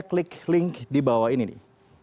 klik link di bawah ini nih